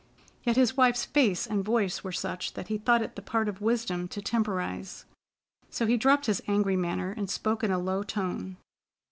Yet his wife's face and voice were such that he thought it the part of wisdom to temporize; so he dropped his angry manner and spoke in a low tone.